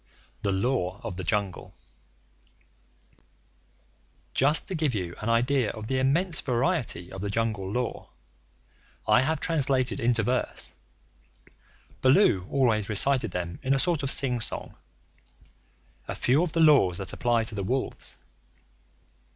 THE LAW OF THE JUNGLE Just to give you an idea of the immense variety of the Jungle Law, I have translated into verse (Baloo always recited them in a sort of sing song) a few of the laws that apply to the wolves.